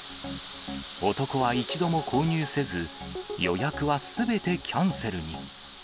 男は一度も購入せず、予約はすべてキャンセルに。